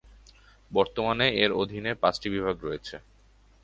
বর্তমানে এর অধীনে পাঁচটি বিভাগ রয়েছে।